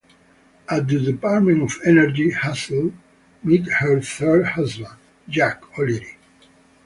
At the Department of Energy, Hazel met her third husband, Jack, O'Leary.